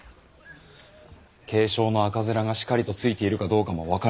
軽症の赤面がしかりとついているかどうかも分からぬ。